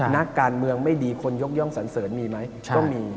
นักการเมืองไม่ดีคนยกย่องสันเสริญมีไหมก็มี